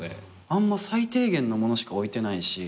あんま最低限のものしか置いてないし。